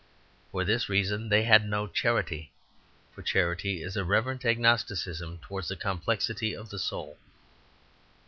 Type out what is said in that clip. For this reason they had no charity; for charity is a reverent agnosticism towards the complexity of the soul.